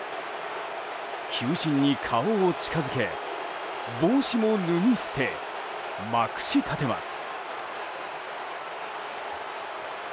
球審に顔を近づけて帽子も脱ぎ捨てまくし立てます。